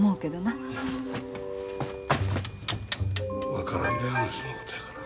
分からんであの人のことやから。